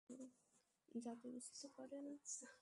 যাতে বুঝতে পারেন।